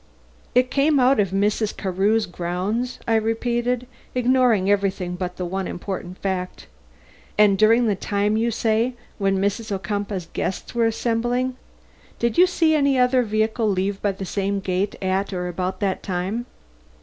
"It came out of Mrs. Carew's grounds?" I repeated, ignoring everything but the one important fact. "And during the time, you say, when Mrs. Ocumpaugh's guests were assembling? Did you see any other vehicle leave by the same gate at or before that time?"